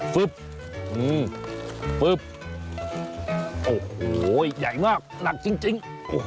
ปุ๊บอืมปุ๊บโอ้โหใหญ่มากหนักจริง